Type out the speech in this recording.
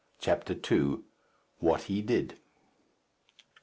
CHAPTER II. WHAT HE DID.